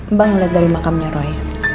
mbah ngeliat dari makamnya roy